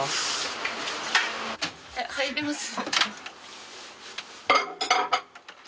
入れます？